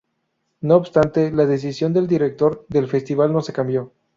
No obstante la decisión del director del festival no se cambió.